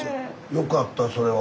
よかったそれは。